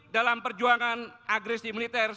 dalam perjuangan agresi militer